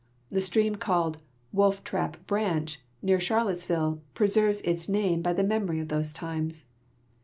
The stream called " W'olftrap branch," near (.'harlottes ville, preserves by its name the memory of those times.